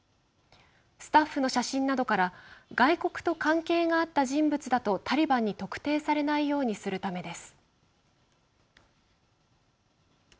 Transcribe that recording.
スタッフの写真などから外国と関係があった人物だとタリバンに特定されないようにするためです。